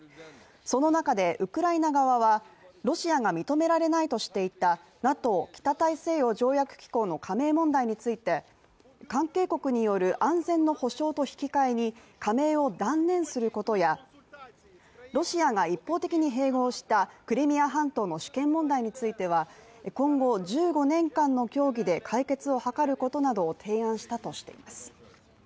その中でウクライナ側は、ロシアが認められないとしていたＮＡＴＯ＝北大西洋条約機構の加盟問題について関係国による安全の保障と引き換えに加盟を断念することやロシアが一方的に併合したクリミア半島の主権問題については今後、１５年間の協議で解決を図ることなどを提案したとしています。